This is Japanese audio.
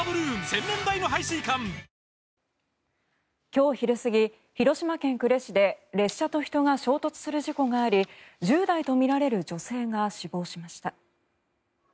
今日昼過ぎ広島県呉市で列車と人が衝突する事故があり１０代とみられる女性が死亡しました。